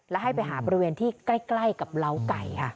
และให้ไปหาบริเวณที่ใกล้กับเล้าไก่ค่ะ